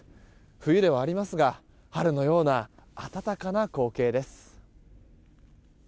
冬ではありますが春のような暖かな光景です。